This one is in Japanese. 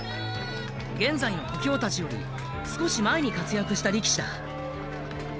現在の小兵たちより少し前に活躍した力士だ。